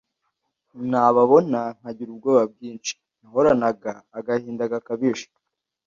nababona nkagira ubwoba bwinshi, nahoranaga agahinda gakabije